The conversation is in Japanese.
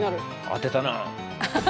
当てたな。